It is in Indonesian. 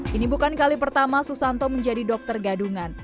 pertama kali pertama susanto menjadi dokter gadungan